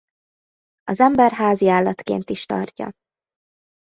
Az ember háziállatként is tartja.